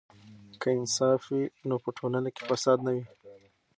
که انصاف وي نو په ټولنه کې فساد نه وي.